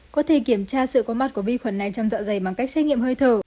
có thể kiểm tra sự có mắt của vi khuẩn này trong dạ dày bằng cách xét nghiệm hơi thở